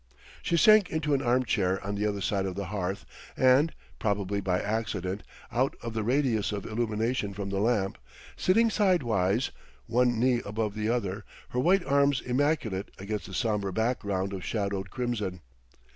She sank into an arm chair on the other side of the hearth and, probably by accident, out of the radius of illumination from the lamp; sitting sidewise, one knee above the other, her white arms immaculate against the somber background of shadowed crimson.